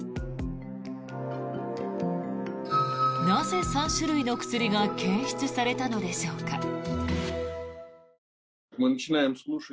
なぜ３種類の薬が検出されたのでしょうか。